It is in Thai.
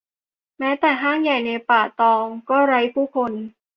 แม้แต่ห้างใหญ่ในป่าตองก็ไร้ผู้คน